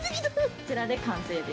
こちらで完成です。